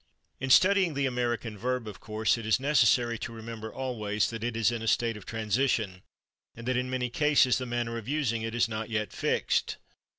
In studying the American verb, of course, it is necessary to remember always that it is in a state of transition, and that in many cases the manner of using it is not yet fixed.